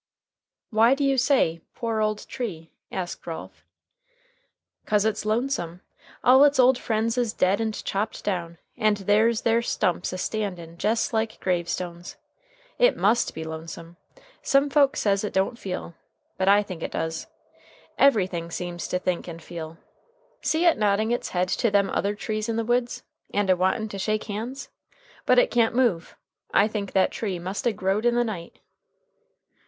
"Why do you say 'poor old tree'?" asked Ralph. "'Cause it's lonesome. All its old friends is dead and chopped down, and there's their stumps a standin' jes like grave stones. It must be lonesome. Some folks says it don't feel, but I think it does. Everything seems to think and feel. See it nodding its head to them other trees in the woods? and a wantin' to shake hands! But it can't move. I think that tree must a growed in the night."